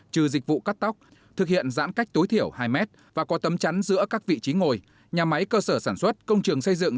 trừ dịch vụ cắt tóc thực hiện giãn cách tối thiểu hai mét và có tấm chắn giữa các vị trí ngồi nhà máy cơ sở sản xuất công trường xây dựng